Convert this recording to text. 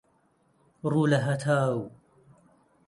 ڕوو لە هەتاو